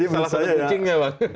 salah satu kucing ya pak